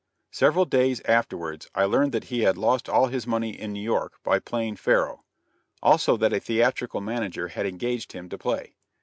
Several days afterwards I learned that he had lost all his money in New York by playing faro; also that a theatrical manager had engaged him to play.